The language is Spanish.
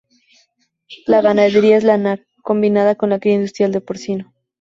La ganadería es lanar, combinada con la cría industrial de porcino.